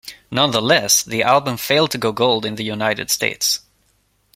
Nonetheless, the album failed to go Gold in the United States.